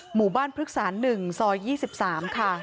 หมู่บ้านพฤกษา๑ซอย๒๓ค่ะ